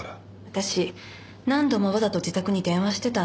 私何度もわざと自宅に電話してたんで。